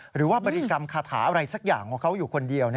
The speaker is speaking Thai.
หรือว่าบริกรรมคาถาอะไรสักอย่างของเขาอยู่คนเดียว